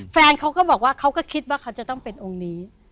แฟนเขาก็บอกว่าเขาก็คิดว่าเขาจะต้องเป็นองค์นี้